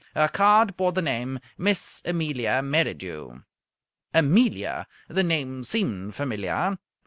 Her card bore the name "Miss Amelia Merridew." Amelia! The name seemed familiar.